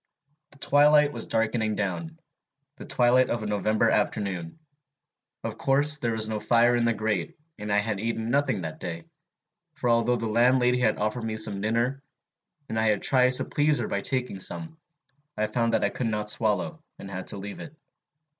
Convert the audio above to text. The twilight was darkening down, the twilight of a November afternoon. Of course there was no fire in the grate, and I had eaten nothing that day; for although the landlady had offered me some dinner, and I had tried to please her by taking some, I found I could not swallow, and had to leave it.